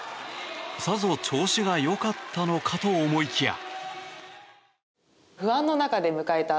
さぞ調子が良かったのかと思いきや。